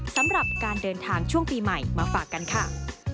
สำหรับการเดินทางช่วงปีใหม่มาฝากกันค่ะ